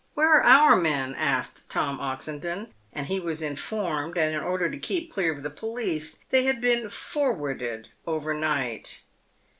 " Where are our men ?" asked Tom Oxendon ; and he was in formed that in order to keep clear of the police, they had been " for warded" overnight.